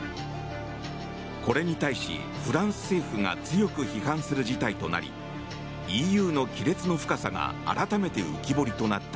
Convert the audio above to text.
これに対し、フランス政府が強く批判する事態となりＥＵの亀裂の深さが改めて浮き彫りとなった。